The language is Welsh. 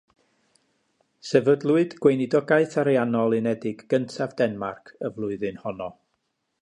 Sefydlwyd Gweinidogaeth Ariannol unedig gyntaf Denmarc y flwyddyn honno.